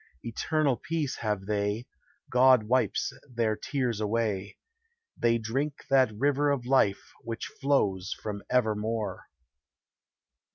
Eternal peace have they; God wipes their tears away: They drink that river of life which flows from Evermore.